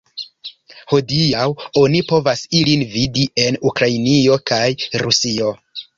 Hodiaŭ oni povas ilin vidi en Ukrainio kaj Rusio.